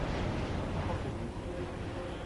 Qu’en pensez-vous ?